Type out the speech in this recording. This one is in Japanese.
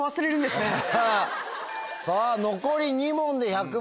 さぁ残り２問で１００万円。